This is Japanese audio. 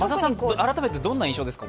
改めてどういう印象ですか？